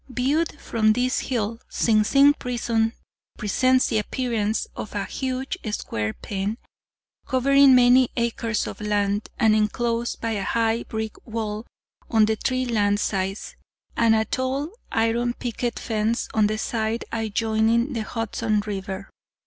"Viewed from this hill, Sing Sing prison presents the appearance of a huge, square pen, covering many acres of land, and enclosed by a high, brick wall on the three land sides, and a tall, iron picket fence on the side adjoining the Hudson River.